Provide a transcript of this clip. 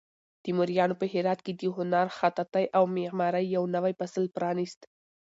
تیموریانو په هرات کې د هنر، خطاطۍ او معمارۍ یو نوی فصل پرانیست.